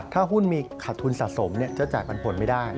ถ้าหุ้นมีขาดทุนสะสมจะจ่ายปันผลไม่ได้